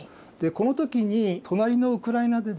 この時に隣のウクライナでですね